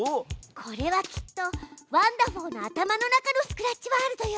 これはきっとワンだふぉーの頭の中のスクラッチワールドよ。